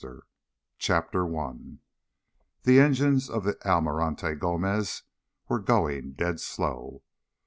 ] CHAPTER I The engines of the Almirante Gomez were going dead slow.